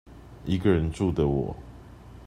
一個人住的我